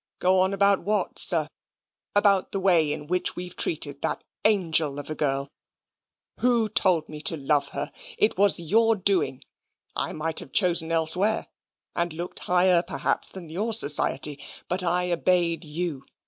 "Go on about what, sir? about the way in which we've treated that angel of a girl? Who told me to love her? It was your doing. I might have chosen elsewhere, and looked higher, perhaps, than your society: but I obeyed you.